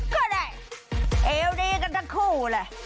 ก็ได้เอวดีกันทั้งคู่แหละ